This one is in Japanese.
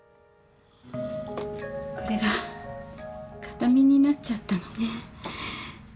これが形見になっちゃったのね。